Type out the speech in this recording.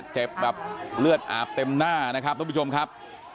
เจ็บแบบเลือดอาบเต็มหน้านะครับทุกผู้ชมครับ